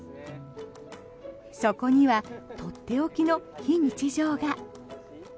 そこにはとっておきの非日常が。